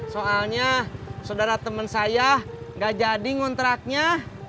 soalnya sodara temen saya nggak jadi ngontraknya